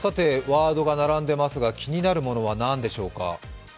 ワードが並んでいますが気になるものはなんでしょうか。